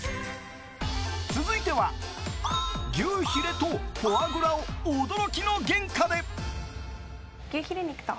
続いては牛ヒレとフォアグラを驚きの原価で。